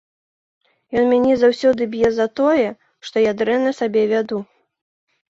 Ён мяне заўсёды б'е за тое, што я дрэнна сябе вяду.